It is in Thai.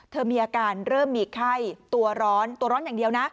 เธอมีอาการเริ่มมีไข้ตัวร้อนตัวร้อนอย่างเดียวนะ